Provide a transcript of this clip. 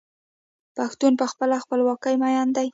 پښتون په خپله خپلواکۍ مین دی.